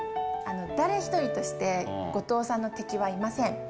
誰一人として後藤さんの敵はいません。